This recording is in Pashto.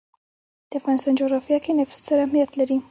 د افغانستان جغرافیه کې نفت ستر اهمیت لري.